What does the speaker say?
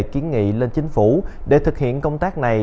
kiến nghị lên chính phủ để thực hiện công tác này